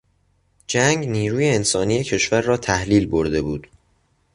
جنگ نیروی انسانی کشور را تحلیل برده بود.